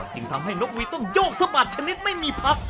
จึงทำให้นกวีต้องโยกสะบัดชนิดไม่มีพัก